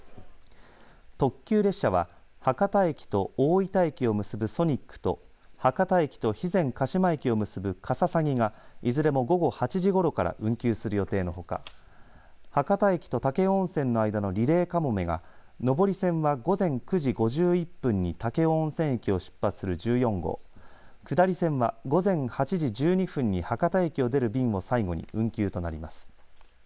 特急列車は博多駅と大分駅を結ぶソニックと博多駅と肥前鹿島駅を結ぶかささぎがいずれも午後８時ごろから運休する予定のほか博多駅と武雄温泉駅の間のリレーかもめが上り線は午前９時５１分に武雄温泉駅を出発する１４号下り線は午前８時１２分に博多駅を出る便を最後に運休となります。